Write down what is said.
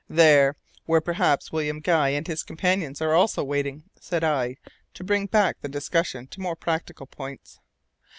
"There, where perhaps William Guy and his companions are also waiting," said I, to bring back the discussion to more practical points.